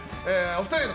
お二人で。